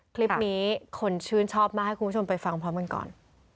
คลิปนี้คนชื่นชอบมากให้คุณผู้ชมไปฟังพร้อมกันก่อน